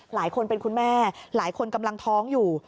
หลายคนเป็นคุณแม่หลายคนกำลังท้องอยู่